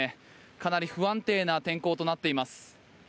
かなり不安定な天候となっています。